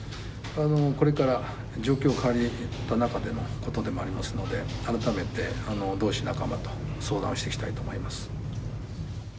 これから状況変わった中でのことでもありますので、改めて同志、仲間と相談をしていきたいと思います。